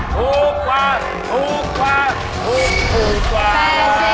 ถูกกว่าถูกกว่า